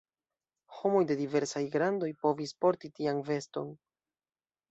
Homoj de diversaj grandoj povis porti tian veston.